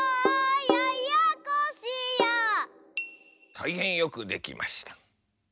たいへんよくできました。